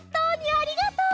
ありがとう！